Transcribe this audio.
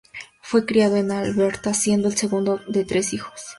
Fue criado en Alberta, siendo el segundo de tres hijos.